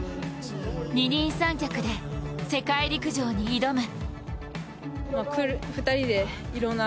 二人三脚で世界陸上に挑む。